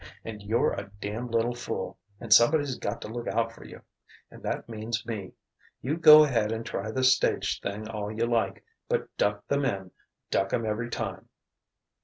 And you're a damn' little fool, and somebody's got to look out for you. And that means me. You go ahead and try this stage thing all you like but duck the men, duck 'em every time!"